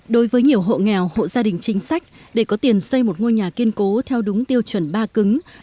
đối với nhiều hộ nghèo hộ gia đình chính sách để có tiền xây một ngôi nhà kiên cố theo đúng tiêu chuẩn ba cứng